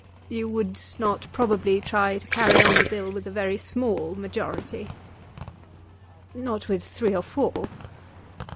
"You would not probably try to carry on the Bill with a very small majority." "Not with three or four."